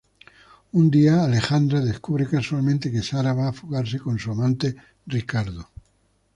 Un día, Alejandra descubre casualmente que Sara va a fugarse con su amante, Ricardo.